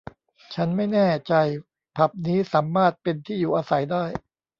ฉันไม่แน่ใจผับนี้สามารถเป็นที่อยู่อาศัยได้